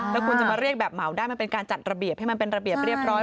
แล้วคุณจะมาเรียกแบบเหมาได้มันเป็นการจัดระเบียบให้มันเป็นระเบียบเรียบร้อย